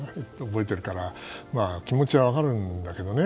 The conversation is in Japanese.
覚えているから気持ちは分かるんだけどね。